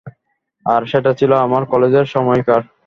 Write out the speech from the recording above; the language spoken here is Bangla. আর সেটা ছিল আমার কলেজের সময়কার।